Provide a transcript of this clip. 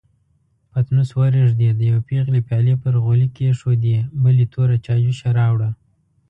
پتنوس ورېږدېد، يوې پېغلې پيالې پر غولي کېښودې، بلې توره چايجوشه راوړه.